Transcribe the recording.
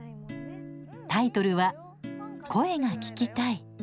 タイトルは「声がききたい。」。